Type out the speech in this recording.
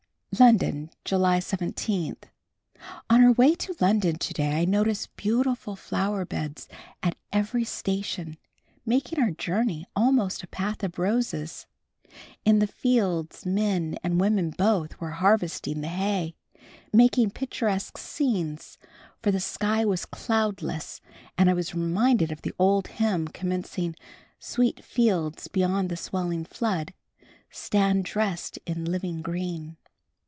London, July 17. On our way to London to day I noticed beautiful flower beds at every station, making our journey almost a path of roses. In the fields, men and women both, were harvesting the hay, making picturesque scenes, for the sky was cloudless and I was reminded of the old hymn, commencing "Sweet fields beyond the swelling flood, Stand dressed in living green."